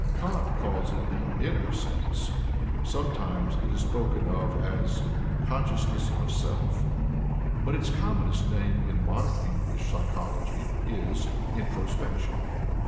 Kant calls it the "inner sense"; sometimes it is spoken of as "consciousness of self"; but its commonest name in modern English psychology is "introspection."